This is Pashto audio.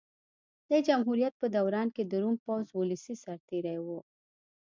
د جمهوریت په دوران کې د روم پوځ ولسي سرتېري وو